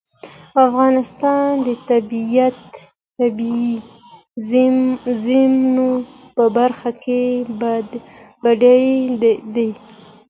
افغانستان د طبیعي زېرمونو په برخه کې بډای دی.